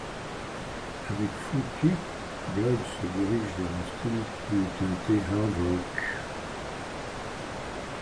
Avec Fu-Ki, Blood se dirige vers un style plus teinté hard rock.